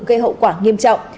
gây hậu quả nghiêm trọng